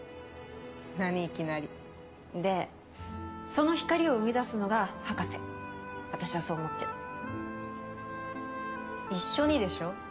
何いきなりでその光を生み出すのが博士私は一緒にでしょ